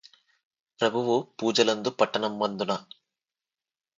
ప్రభువు పూజలందు పట్టణమ్మందున